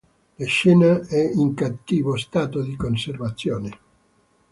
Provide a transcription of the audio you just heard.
La scena è in cattivo stato di conservazione.